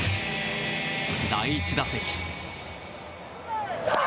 第１打席。